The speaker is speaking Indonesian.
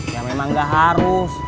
ya memang gak harus